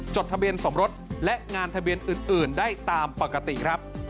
จดทะเบียนสมรสและงานทะเบียนอื่นได้ตามปกติครับ